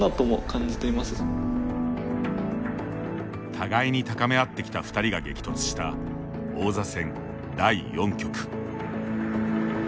互いに高め合ってきた２人が激突した王座戦第４局。